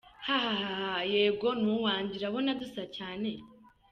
Hahaha yego ni uwanjye, urabona dusa cyane?.